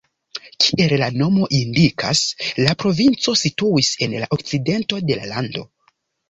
Kiel la nomo indikas, la provinco situis en la okcidento de la lando.